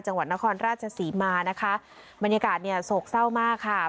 จังหวัดนครราชศรีมานะคะบรรยากาศเนี่ยโศกเศร้ามากค่ะ